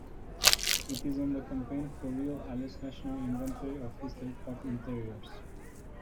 It is on the Campaign for Real Ale's National Inventory of Historic Pub Interiors.